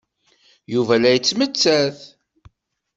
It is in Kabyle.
Yuba la yettmettat.